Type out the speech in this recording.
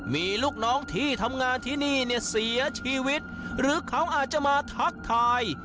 มีลูกน้องที่ทำงานที่นี่เนี่ยเสียชีวิตหรือเขาอาจจะมาทักทาย